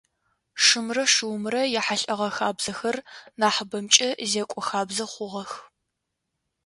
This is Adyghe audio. Шымрэ шыумрэ яхьылӏэгъэ хабзэхэр нахьыбэмкӏэ зекӏо хабзэ хъугъэх.